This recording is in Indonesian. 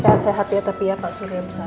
sehat sehat ya tapi ya pak surya busara ya